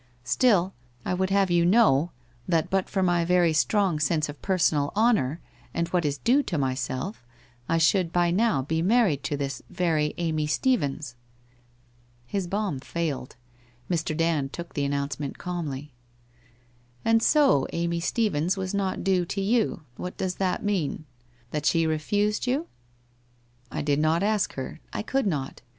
Still, I would have you know, that but for my very strong sense of per sonal honour, and what is due to myself, I should by now be married to this very Amy Stephens! ' WHITE KOSE OF WEARY LEAF 149 His bomb failed. Mr. Dand took the announcement calmly. ' And so Amy Stephens was not due to you — what docs that mean ? That she refused you ?' c I did not ask her. I could not.